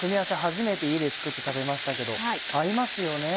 初めて家で作って食べましたけど合いますよね。